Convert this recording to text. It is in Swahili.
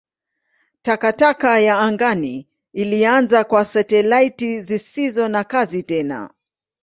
Takataka ya angani ilianza kwa satelaiti zisizo na kazi tena.